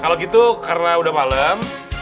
kalau gitu karena udah malam